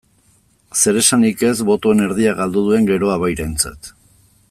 Zeresanik ez botoen erdia galdu duen Geroa Bairentzat.